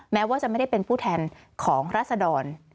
แม้ว่าจะไม่ได้เป็นผู้แทนของรัศดร